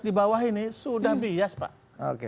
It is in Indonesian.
di bawah ini sudah bias pak